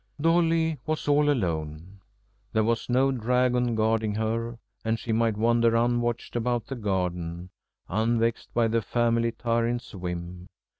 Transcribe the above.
III. Dolly was all alone. There was no dragon guarding her, and she might wander unwatched about the garden, unvexed by the family tyrant's whim.